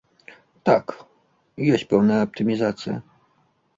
Так, ёсць пэўная аптымізацыя.